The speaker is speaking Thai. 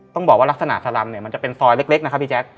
ต้องบอกว่าลักษณะสลำเนี่ยมันจะเป็นซอยเล็กนะครับพี่แจ๊ค